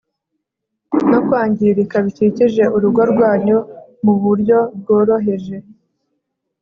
no kwangirika bikikije urugo rwanyu mu buryo bworoheje …